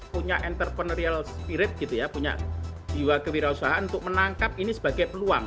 punya entrepreneur spirit gitu ya punya jiwa kewirausahaan untuk menangkap ini sebagai peluang